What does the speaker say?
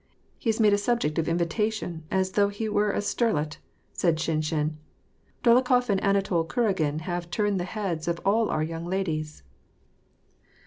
He is made a subject of invi tation, as though he were a sterlet," said Shinshin. " Dolokhof and Anatol Kuragin have turned the heads of all our young ladies."